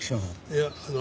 いやあの。